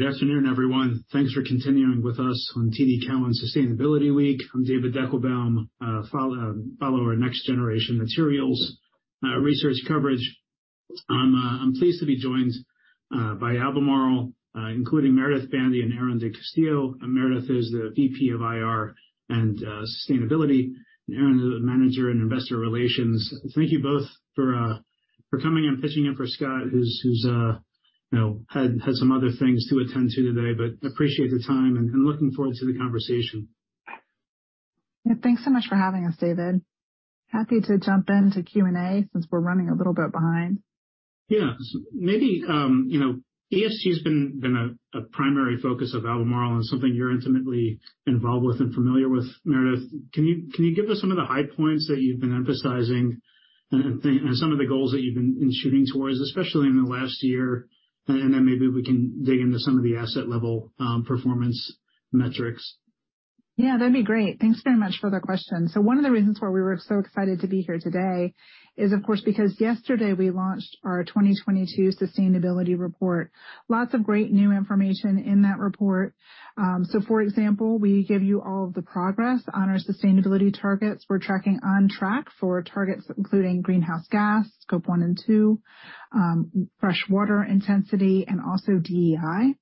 Good afternoon, everyone. Thanks for continuing with us on TD Cowen Sustainability Week. I'm David Deckelbaum, follower of next generation materials research coverage. I'm pleased to be joined by Albemarle, including Meredith Bandy and Aron De Castillo. Meredith is the VP of IR and sustainability, and Aaron is the manager in investor relations. Thank you both for coming and pitching in for Scott, who's, you know, had some other things to attend to today. Appreciate your time and looking forward to the conversation. Yeah, thanks so much for having us, David. Happy to jump into Q&A since we're running a little bit behind. Yeah. Maybe, you know, ESG has been a primary focus of Albemarle and something you're intimately involved with and familiar with. Meredith, can you give us some of the high points that you've been emphasizing and some of the goals that you've been shooting towards, especially in the last year, and then maybe we can dig into some of the asset level performance metrics? Yeah, that'd be great. Thanks very much for the question. One of the reasons why we were so excited to be here today is, of course, because yesterday we launched our 2022 sustainability report. Lots of great new information in that report. For example, we give you all of the progress on our sustainability targets. We're tracking on track for targets including greenhouse gas, Scope 1 and 2, fresh water intensity, and also DEI.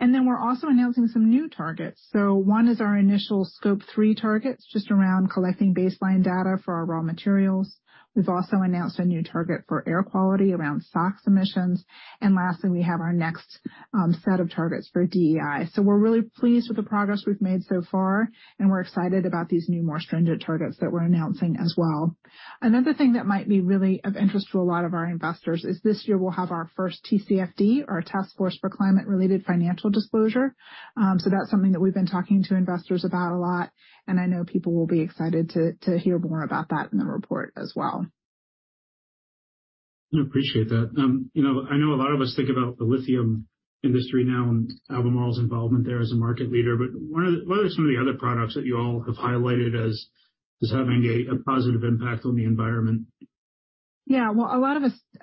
Then we're also announcing some new targets. One is our initial Scope 3 targets, just around collecting baseline data for our raw materials. We've also announced a new target for air quality around SOx emissions. Lastly, we have our next set of targets for DEI. We're really pleased with the progress we've made so far, and we're excited about these new, more stringent targets that we're announcing as well. Another thing that might be really of interest to a lot of our investors is this year we'll have our first TCFD, our Task Force on Climate-related Financial Disclosures. That's something that we've been talking to investors about a lot, and I know people will be excited to hear more about that in the report as well. I appreciate that. You know, I know a lot of us think about the lithium industry now and Albemarle's involvement there as a market leader, but what are some of the other products that you all have highlighted as having a positive impact on the environment? Yeah. Well, a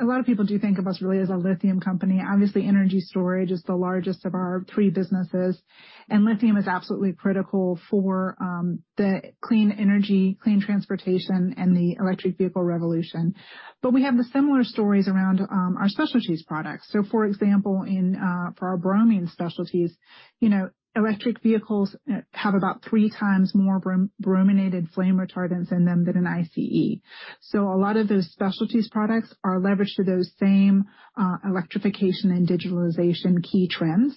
lot of people do think of us really as a lithium company. Obviously, energy storage is the largest of our three businesses, and lithium is absolutely critical for the clean energy, clean transportation, and the electric vehicle revolution. We have the similar stories around our specialties products. For example, for our bromine specialties, you know, electric vehicles have about three times more brominated flame retardants in them than an ICE. A lot of those specialties products are leveraged to those same electrification and digitalization key trends.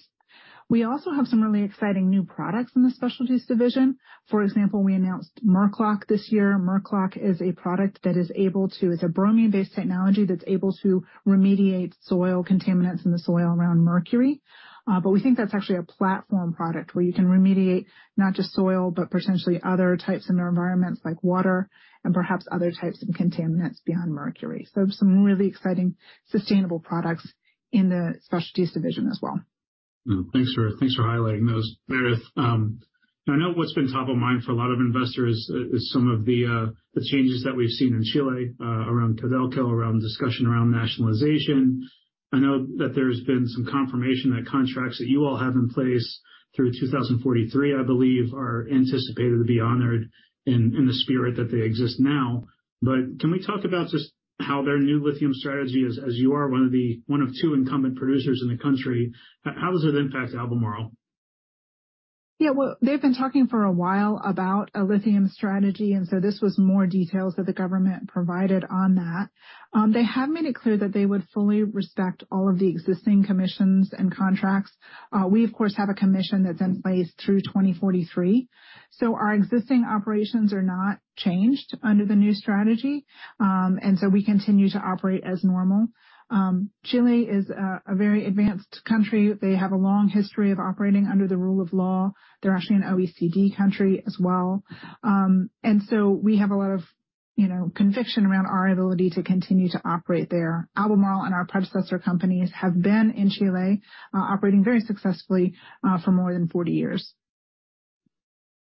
We also have some really exciting new products in the specialties division. For example, we announced MercLok this year. MercLok is a product. It's a bromine-based technology that's able to remediate soil contaminants in the soil around mercury. We think that's actually a platform product, where you can remediate not just soil, but potentially other types in their environments, like water and perhaps other types of contaminants beyond mercury. Some really exciting sustainable products in the specialties division as well. Thanks for highlighting those. Meredith, I know what's been top of mind for a lot of investors is some of the changes that we've seen in Chile, around Codelco, around discussion around nationalization. I know that there's been some confirmation that contracts that you all have in place through 2043, I believe, are anticipated to be honored in the spirit that they exist now. Can we talk about just how their new lithium strategy is, as you are one of two incumbent producers in the country, how does it impact Albemarle? Yeah, well, they've been talking for a while about a lithium strategy, and so this was more details that the government provided on that. They have made it clear that they would fully respect all of the existing commissions and contracts. We, of course, have a commission that's in place through 2043, so our existing operations are not changed under the new strategy. We continue to operate as normal. Chile is a very advanced country. They have a long history of operating under the rule of law. They're actually an OECD country as well. We have a lot of, you know, conviction around our ability to continue to operate there. Albemarle and our predecessor companies have been in Chile, operating very successfully, for more than 40 years.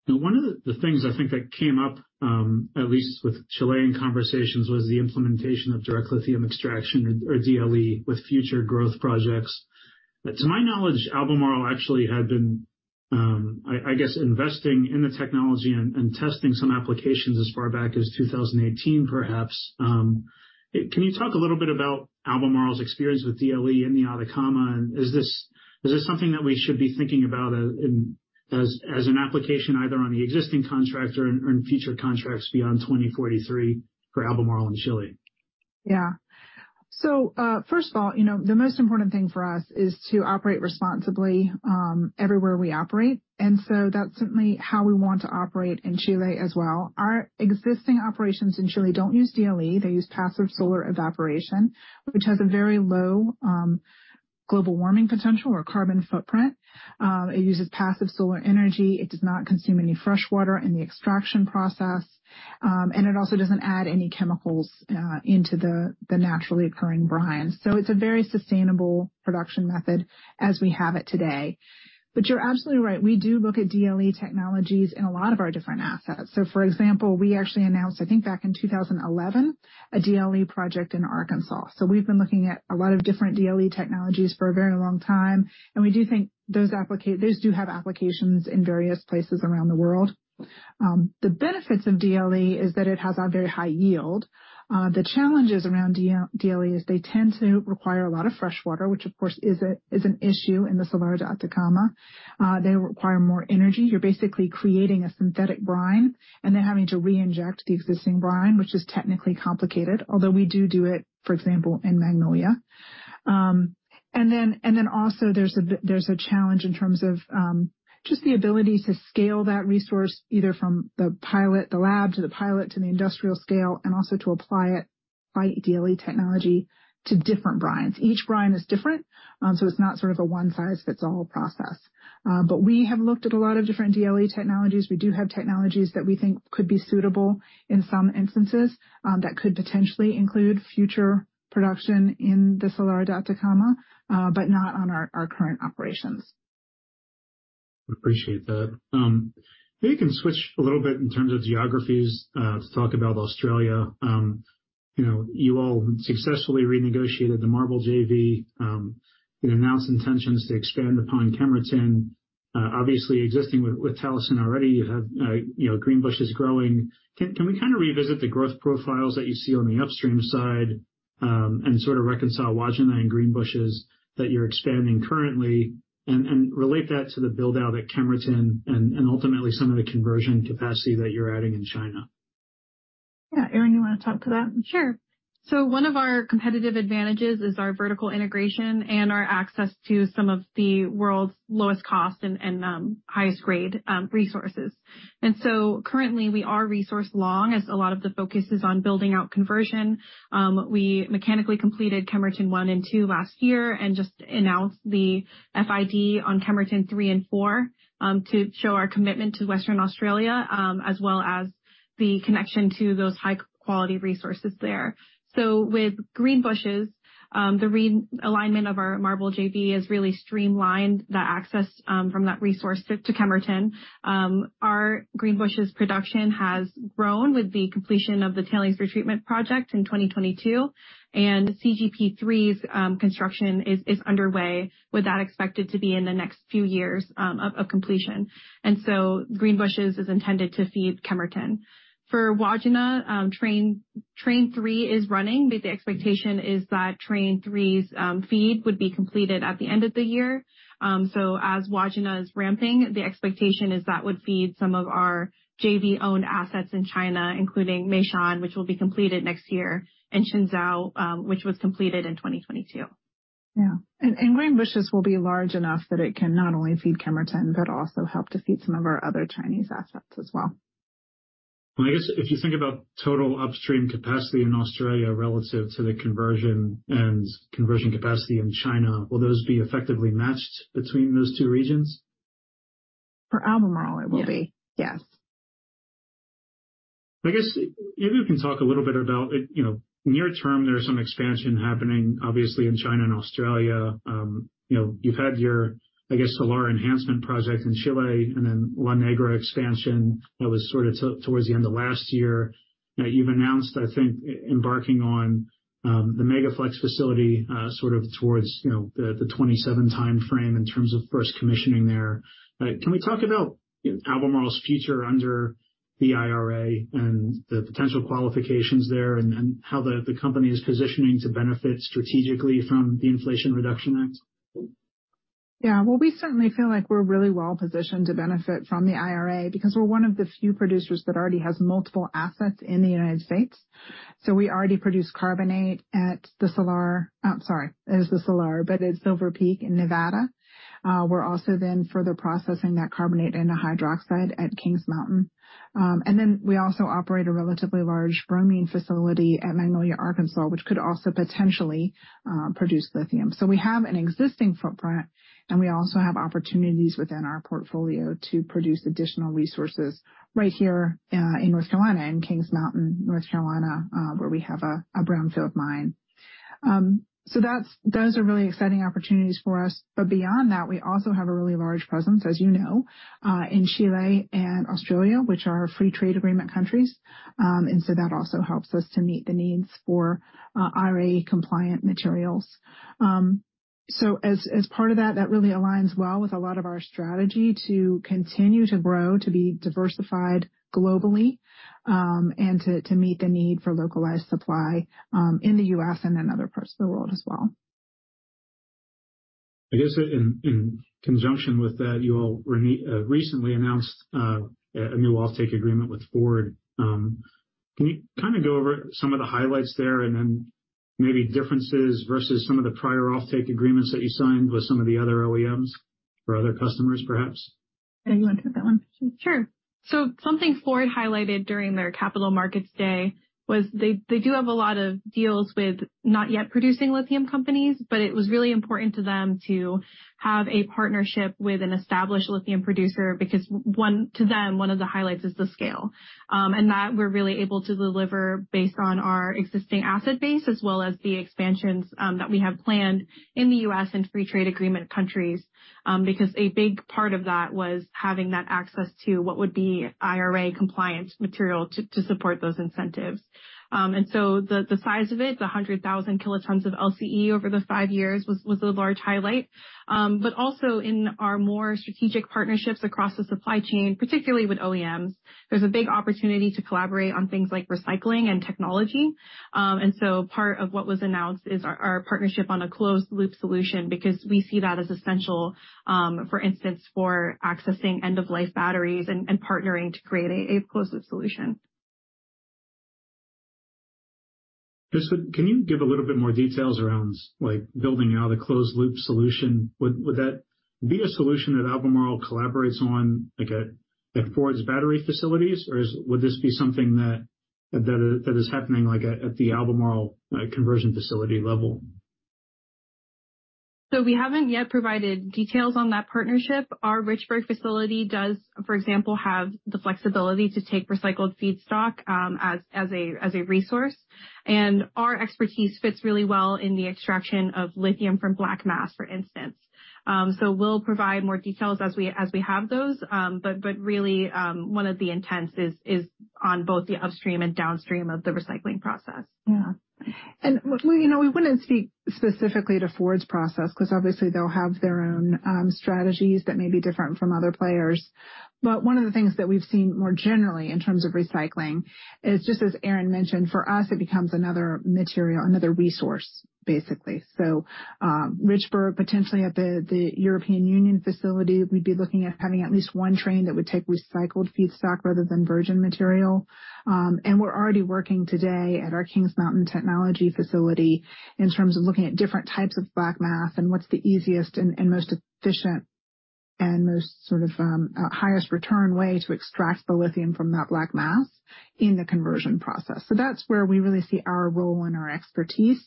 Now, one of the things I think that came up, at least with Chilean conversations, was the implementation of direct lithium extraction or DLE with future growth projects. To my knowledge, Albemarle actually had been, I guess, investing in the technology and testing some applications as far back as 2018, perhaps. Can you talk a little bit about Albemarle's experience with DLE in the Atacama? Is this something that we should be thinking about as an application, either on the existing contracts or in future contracts beyond 2043 for Albemarle and Chile? Yeah. First of all, you know, the most important thing for us is to operate responsibly, everywhere we operate, and that's certainly how we want to operate in Chile as well. Our existing operations in Chile don't use DLE. They use passive solar evaporation, which has a very low global warming potential or carbon footprint. It uses passive solar energy. It does not consume any fresh water in the extraction process, and it also doesn't add any chemicals into the naturally occurring brine. It's a very sustainable production method as we have it today. You're absolutely right. We do look at DLE technologies in a lot of our different assets. For example, we actually announced, I think, back in 2011, a DLE project in Arkansas. We've been looking at a lot of different DLE technologies for a very long time, and we do think those do have applications in various places around the world. The benefits of DLE is that it has a very high yield. The challenges around DLE is they tend to require a lot of fresh water, which, of course, is an issue in the Salar de Atacama. They require more energy. You're basically creating a synthetic brine and then having to re-inject the existing brine, which is technically complicated, although we do do it, for example, in Magnolia. Then also, there's a challenge in terms of just the ability to scale that resource, either from the pilot, the lab to the pilot to the industrial scale, and also to apply it by DLE technology to different brines. Each brine is different, so it's not sort of a one-size-fits-all process. We have looked at a lot of different DLE technologies. We do have technologies that we think could be suitable in some instances, that could potentially include future production in the Salar de Atacama, but not on our current operations. Appreciate that. Maybe you can switch a little bit in terms of geographies, to talk about Australia. You know, you all successfully renegotiated the MARBL JV, and announced intentions to expand upon Kemerton. Obviously existing with Talison already, you have, you know, Greenbushes growing. Can we kind of revisit the growth profiles that you see on the upstream side, and sort of reconcile Wodgina and Greenbushes that you're expanding currently, and relate that to the build-out at Kemerton and ultimately some of the conversion capacity that you're adding in China? Yeah. Aron, you wanna talk to that? Sure. One of our competitive advantages is our vertical integration and our access to some of the world's lowest cost and highest grade resources. Currently, we are resource long, as a lot of the focus is on building out conversion. We mechanically completed Kemerton one and two last year and just announced the FID on Kemerton three and four to show our commitment to Western Australia as well as the connection to those high-quality resources there. With Greenbushes, the realignment of our MARBL JV has really streamlined the access from that resource to Kemerton. Our Greenbushes production has grown with the completion of the tailings retreatment project in 2022, and CGP3's construction is underway, with that expected to be in the next few years of completion. Greenbushes is intended to feed Kemerton. For Wodgina, Train Three is running, but the expectation is that Train Three's feed would be completed at the end of the year. As Wodgina is ramping, the expectation is that would feed some of our JV-owned assets in China, including Meishan, which will be completed next year, and Qinzhou, which was completed in 2022. Yeah, Greenbushes will be large enough that it can not only feed Kemerton but also help to feed some of our other Chinese assets as well. Well, I guess if you think about total upstream capacity in Australia relative to the conversion and conversion capacity in China, will those be effectively matched between those two regions? For Albemarle, it will be. Yes. Yes. I guess maybe you can talk a little bit about, you know, near term, there's some expansion happening, obviously, in China and Australia. You know, you've had your, I guess, Salar enhancement project in Chile, and then La Negra expansion that was sort of towards the end of last year. You've announced, I think, embarking on, the Mega-Flex facility, sort of towards, you know, the 2027 timeframe in terms of first commissioning there. Can we talk about Albemarle's future under the IRA and the potential qualifications there and how the company is positioning to benefit strategically from the Inflation Reduction Act? Yeah. Well, we certainly feel like we're really well positioned to benefit from the IRA because we're one of the few producers that already has multiple assets in the United States. We already produce carbonate at the Salar, but at Silver Peak in Nevada. We're also then further processing that carbonate into hydroxide at Kings Mountain. We also operate a relatively large bromine facility at Magnolia, Arkansas, which could also potentially produce lithium. We have an existing footprint, and we also have opportunities within our portfolio to produce additional resources right here in North Carolina, in Kings Mountain, North Carolina, where we have a brownfield mine. Those are really exciting opportunities for us. Beyond that, we also have a really large presence, as you know, in Chile and Australia, which are free trade agreement countries. That also helps us to meet the needs for IRA-compliant materials. As part of that really aligns well with a lot of our strategy to continue to grow, to be diversified globally, and to meet the need for localized supply in the U.S. and in other parts of the world as well. I guess in conjunction with that, you all recently announced, a new offtake agreement with Ford. Can you kind of go over some of the highlights there and then maybe differences versus some of the prior offtake agreements that you signed with some of the other OEMs or other customers, perhaps? Do you want to take that one? Something Ford highlighted during their capital markets day was they do have a lot of deals with not yet producing lithium companies, but it was really important to them to have a partnership with an established lithium producer because one of the highlights is the scale. That we're really able to deliver based on our existing asset base, as well as the expansions that we have planned in the U.S. and free trade agreement countries. A big part of that was having that access to what would be IRA compliant material to support those incentives. The size of it, the 100,000 kilotons of LCE over the 5 years was a large highlight. In our more strategic partnerships across the supply chain, particularly with OEMs, there's a big opportunity to collaborate on things like recycling and technology. Part of what was announced is our partnership on a closed loop solution, because we see that as essential, for instance, for accessing end-of-life batteries and partnering to create a closed loop solution. Just, can you give a little bit more details around, like, building out a closed loop solution? Would that be a solution that Albemarle collaborates on, like, at Ford's battery facilities, or would this be something that is happening, like, at the Albemarle, like, conversion facility level? We haven't yet provided details on that partnership. Our Richburg facility does, for example, have the flexibility to take recycled feedstock, as a resource. Our expertise fits really well in the extraction of lithium from black mass, for instance. We'll provide more details as we have those. Really, one of the intents is on both the upstream and downstream of the recycling process. Yeah. We, you know, we wouldn't speak specifically to Ford's process, cause obviously they'll have their own, strategies that may be different from other players. One of the things that we've seen more generally in terms of recycling is, just as Aaron mentioned, for us, it becomes another material, another resource, basically. Richburg, potentially at the European Union facility, we'd be looking at having at least one train that would take recycled feedstock rather than virgin material. And we're already working today at our Kings Mountain technology facility in terms of looking at different types of black mass and what's the easiest and most efficient and most sort of highest return way to extract the lithium from that black mass in the conversion process. That's where we really see our role and our expertise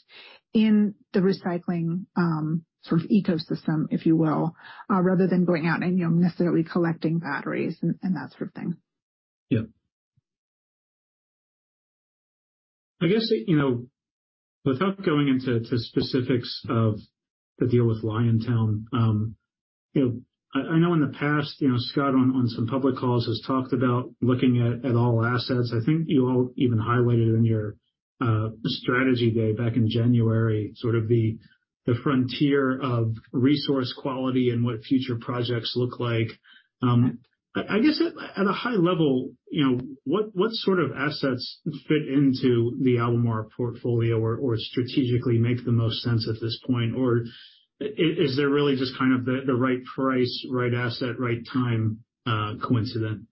in the recycling, sort of ecosystem, if you will, rather than going out and, you know, necessarily collecting batteries and that sort of thing. Yeah. I guess, you know, without going into the specifics of the deal with Liontown Resources, you know, I know in the past, you know, Scott, on some public calls, has talked about looking at all assets. I think you all even highlighted in your strategy day back in January, sort of the frontier of resource quality and what future projects look like. I guess at a high level, you know, what sort of assets fit into the Albemarle portfolio or strategically make the most sense at this point? Or is there really just kind of the right price, right asset, right time, coincident?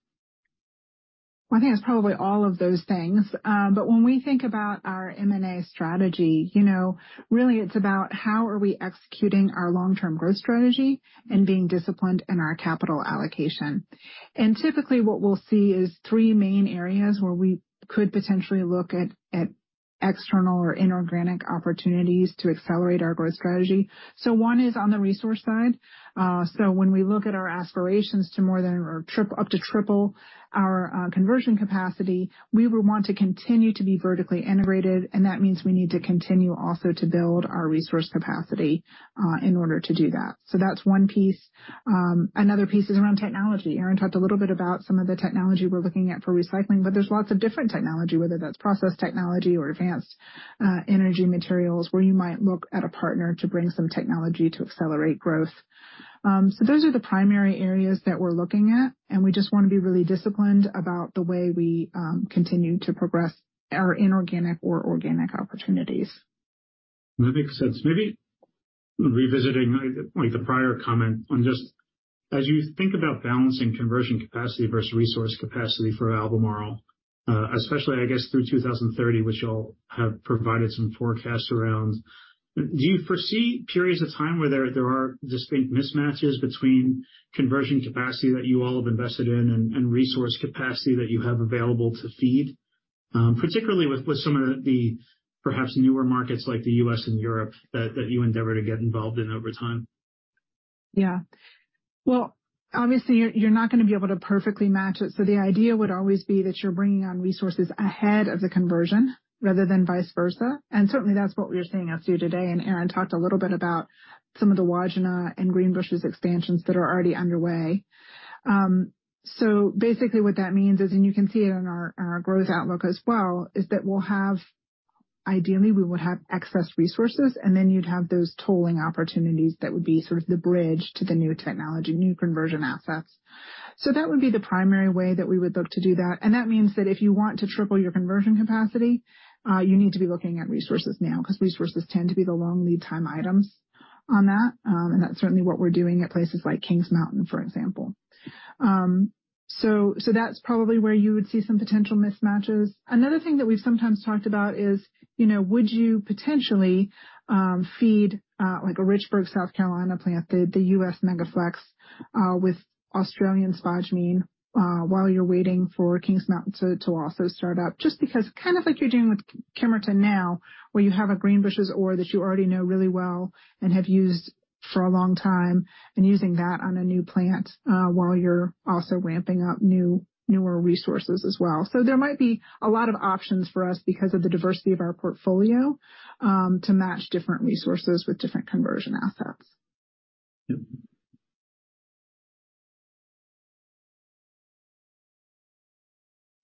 Well, I think it's probably all of those things. When we think about our M&A strategy, you know, really it's about how are we executing our long-term growth strategy and being disciplined in our capital allocation. Typically, what we'll see is three main areas where we could potentially look at external or inorganic opportunities to accelerate our growth strategy. One is on the resource side. When we look at our aspirations to more than, or up to triple our conversion capacity, we will want to continue to be vertically integrated, and that means we need to continue also to build our resource capacity in order to do that. That's one piece. Another piece is around technology. Aaron talked a little bit about some of the technology we're looking at for recycling, but there's lots of different technology, whether that's process technology or advanced energy materials, where you might look at a partner to bring some technology to accelerate growth. Those are the primary areas that we're looking at, and we just want to be really disciplined about the way we continue to progress our inorganic or organic opportunities. That makes sense. Maybe revisiting like the prior comment on just as you think about balancing conversion capacity versus resource capacity for Albemarle, especially, I guess, through 2030, which you all have provided some forecasts around, do you foresee periods of time where there are distinct mismatches between conversion capacity that you all have invested in and resource capacity that you have available to feed? Particularly with some of the perhaps newer markets like the U.S. and Europe, that you endeavor to get involved in over time. Yeah. Well, obviously, you're not gonna be able to perfectly match it, so the idea would always be that you're bringing on resources ahead of the conversion rather than vice versa. Certainly, that's what we're seeing as through today, and Aaron talked a little bit about some of the Wodgina and Greenbushes expansions that are already underway. Basically what that means is, and you can see it in our growth outlook as well, is that ideally, we would have excess resources, and then you'd have those tolling opportunities that would be sort of the bridge to the new technology, new conversion assets. That would be the primary way that we would look to do that. That means that if you want to triple your conversion capacity, you need to be looking at resources now, 'cause resources tend to be the long lead time items on that. That's certainly what we're doing at places like Kings Mountain, for example. That's probably where you would see some potential mismatches. Another thing that we've sometimes talked about is, you know, would you potentially feed, like, a Richburg, South Carolina plant, the US Mega-Flex, with Australian spodumene, while you're waiting for Kings Mountain to also start up? Just because kind of like you're doing with Kemerton now, where you have a Greenbushes ore that you already know really well and have used for a long time, and using that on a new plant, while you're also ramping up newer resources as well. There might be a lot of options for us because of the diversity of our portfolio, to match different resources with different conversion assets. Yep.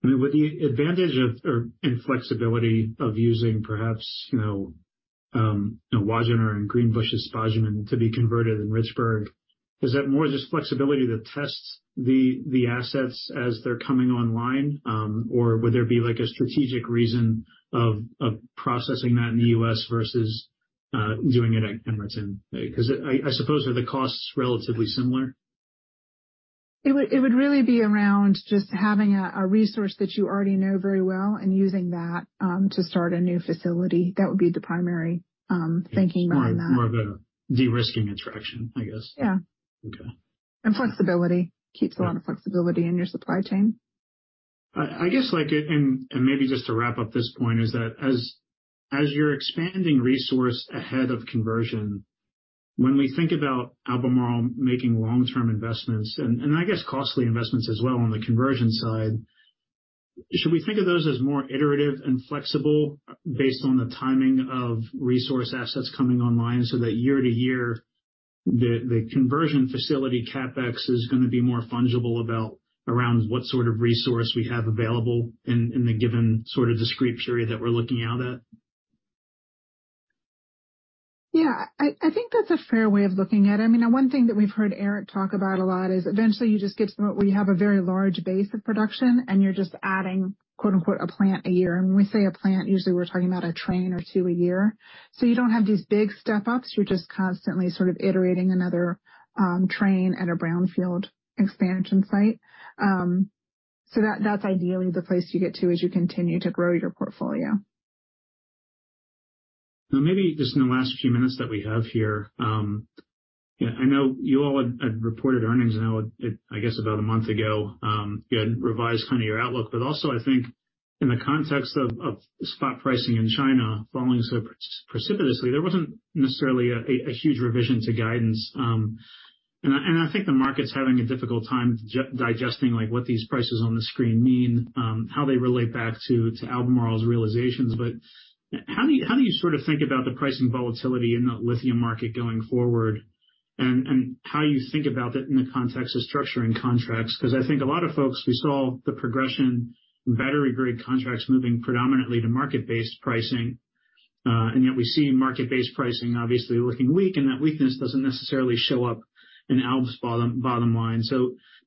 I mean, would the advantage of, or, and flexibility of using perhaps, you know, Wodgina and Greenbushes spodumene to be converted in Richburg, is that more just flexibility to test the assets as they're coming online, or would there be, like, a strategic reason of processing that in the U.S. versus doing it at Kemerton? Because I suppose, are the costs relatively similar? It would really be around just having a resource that you already know very well and using that to start a new facility. That would be the primary thinking around that. More of a de-risking attraction, I guess. Yeah. Okay. Flexibility. Keeps a lot of flexibility in your supply chain. I guess, like, maybe just to wrap up this point is that as you're expanding resource ahead of conversion, when we think about Albemarle making long-term investments, and I guess costly investments as well on the conversion side, should we think of those as more iterative and flexible based on the timing of resource assets coming online, so that year-to-year, the conversion facility CapEx is gonna be more fungible around what sort of resource we have available in the given sort of discrete period that we're looking out at? Yeah, I think that's a fair way of looking at it. I mean, one thing that we've heard Eric talk about a lot is eventually you just get to where you have a very large base of production, and you're just adding, quote, unquote, "a plant a year." When we say a plant, usually we're talking about a train or 2 a year. You don't have these big step ups. You're just constantly sort of iterating another train at a brownfield expansion site. That's ideally the place you get to as you continue to grow your portfolio. Maybe just in the last few minutes that we have here, I know you all had reported earnings now, I guess about a month ago. You had revised kind of your outlook, but also I think in the context of spot pricing in China falling so precipitously, there wasn't necessarily a huge revision to guidance. And I think the market's having a difficult time digesting, like, what these prices on the screen mean, how they relate back to Albemarle's realizations. How do you, how do you sort of think about the pricing volatility in the lithium market going forward, and how you think about that in the context of structuring contracts? I think a lot of folks, we saw the progression in battery-grade contracts moving predominantly to market-based pricing, and yet we see market-based pricing obviously looking weak, and that weakness doesn't necessarily show up in Albemarle's bottom line.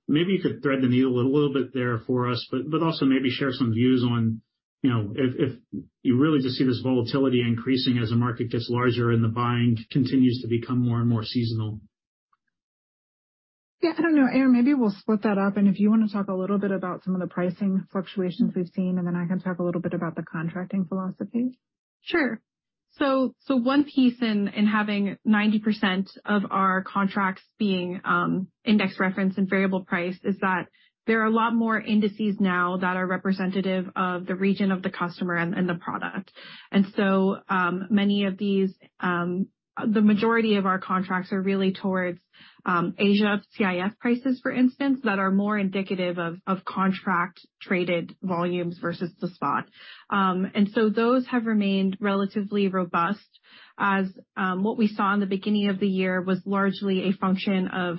Maybe you could thread the needle a little bit there for us, but also maybe share some views on, you know, if you really just see this volatility increasing as the market gets larger and the buying continues to become more and more seasonal. I don't know. Erin, maybe we'll split that up, and if you wanna talk a little bit about some of the pricing fluctuations we've seen, and then I can talk a little bit about the contracting philosophy. Sure. One piece in having 90% of our contracts being index referenced and variable price is that there are a lot more indices now that are representative of the region of the customer and the product. Many of these, the majority of our contracts are really towards Asia CIF prices, for instance, that are more indicative of contract traded volumes versus the spot. Those have remained relatively robust as what we saw in the beginning of the year was largely a function of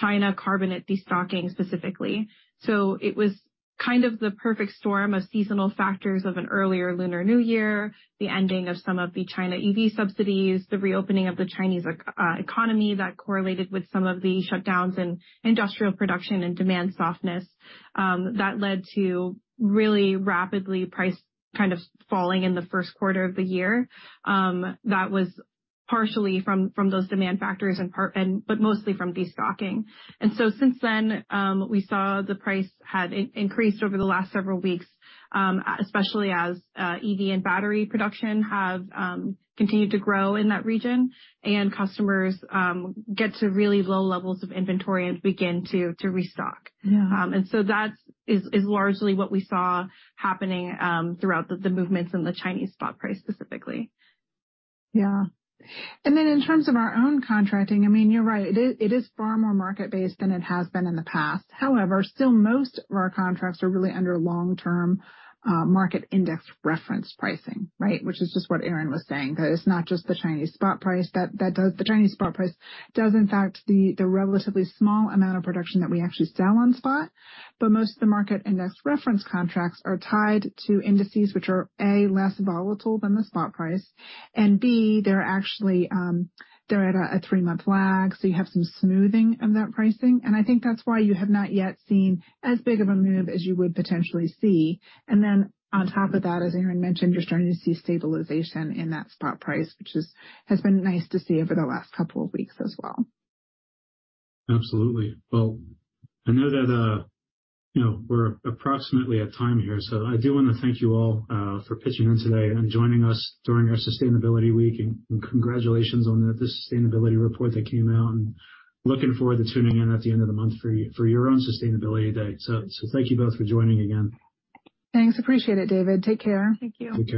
China carbonate destocking specifically. It was kind of the perfect storm of seasonal factors of an earlier Lunar New Year, the ending of some of the China EV subsidies, the reopening of the Chinese economy that correlated with some of the shutdowns in industrial production and demand softness that led to really rapidly price kind of falling in the first quarter of the year. That was partially from those demand factors in part, but mostly from destocking. Since then, we saw the price had increased over the last several weeks, especially as EV and battery production have continued to grow in that region, and customers get to really low levels of inventory and begin to restock. Yeah. That's is largely what we saw happening throughout the movements in the Chinese spot price, specifically. Yeah. Then in terms of our own contracting, I mean, you're right, it is far more market-based than it has been in the past. However, still, most of our contracts are really under long-term market index reference pricing, right? Which is just what Erin was saying, that it's not just the Chinese spot price, that the Chinese spot price does, in fact, the relatively small amount of production that we actually sell on spot, but most of the market index reference contracts are tied to indices which are, A, less volatile than the spot price, and B, they're actually at a 3-month lag, so you have some smoothing of that pricing. I think that's why you have not yet seen as big of a move as you would potentially see. On top of that, as Erin mentioned, you're starting to see stabilization in that spot price, which has been nice to see over the last couple of weeks as well. Absolutely. Well, I know that, you know, we're approximately at time here, so I do want to thank you all for pitching in today and joining us during our sustainability week, and congratulations on the sustainability report that came out, and looking forward to tuning in at the end of the month for your own sustainability day. Thank you both for joining again. Thanks. Appreciate it, David. Take care. Thank you.